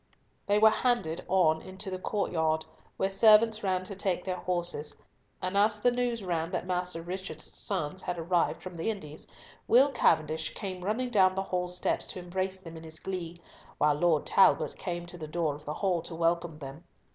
They were handed on into the courtyard, where servants ran to take their horses, and as the news ran that Master Richard's sons had arrived from the Indies, Will Cavendish came running down the hall steps to embrace them in his glee, while Lord Talbot came to the door of the hall to welcome them.